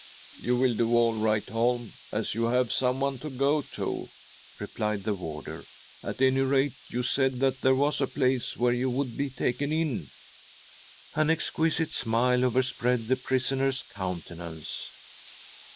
" You will do all right, Holm, as you have someone to go to," replied the warder ;" at any rate, you said that there was a place where you would be taken in." An exquisite smile overspread the prisoner's countenance.